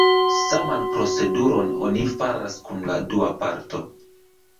Saman proceduron oni faras kun la dua parto.